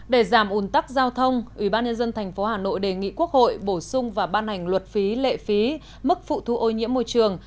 để giảm ủn tắc giao thông ubnd tp hà nội đề nghị quốc hội bổ sung và ban hành luật phí lệ phí mức phụ thu ô nhiễm môi trường